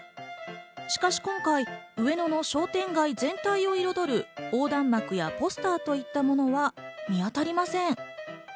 しかし今回、上野の商店街全体を彩る横断幕やポスターといったものは見当たりません。